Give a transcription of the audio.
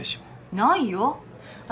ないよっ。